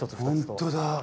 本当だ。